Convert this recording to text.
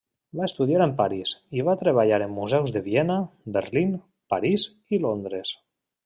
Va estudiar en París i va treballar en museus de Viena, Berlín, París i Londres.